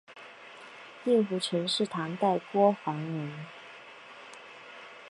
令狐澄是唐代敦煌人。